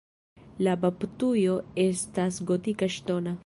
La baptujo estas gotika ŝtona.